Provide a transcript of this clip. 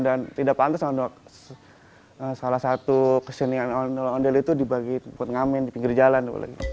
dan tidak pantas untuk salah satu kesenian ondo ondo itu dibagi untuk mengamen di pinggir jalan